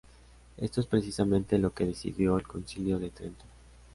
Esto es precisamente lo que decidió el Concilio de Trento.